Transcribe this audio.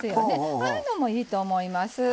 ああいうのもいいと思います。